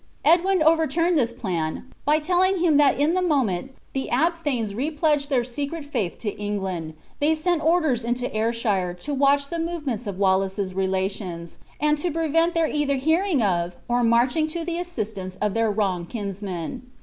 Edwin overturned this plan by telling him that in the moment the abthanes repledged their secret faith to England, they sent orders into Ayrshire to watch the movements of Wallace's relations, and to prevent their either hearing of or marching to the assistance of their wronged kinsman.